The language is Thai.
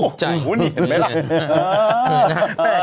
กะตุ่มต่อ